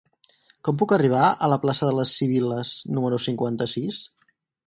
Com puc arribar a la plaça de les Sibil·les número cinquanta-sis?